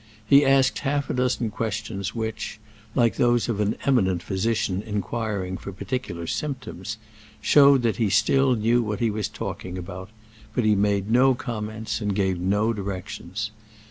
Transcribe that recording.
He asked half a dozen questions which, like those of an eminent physician inquiring for particular symptoms, showed that he still knew what he was talking about; but he made no comments and gave no directions.